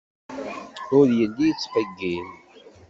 Ur yelli yettqeyyil.